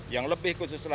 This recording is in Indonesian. yang lebih khususlah